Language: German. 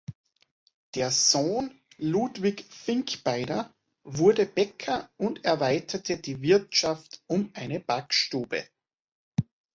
Der Sohn Ludwig Finkbeiner wurde Bäcker und erweiterte die Wirtschaft um eine Backstube.